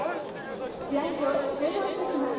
試合を中断いたします。